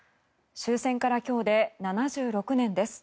終戦から今日で７６年です。